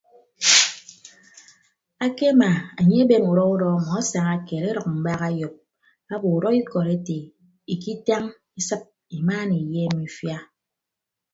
Akemaa enye eben udọ udọ ọmọ asaña keed edʌk mbak eyop abo udọ ikọd ete ikitañ isịp imaana iyeem ifia.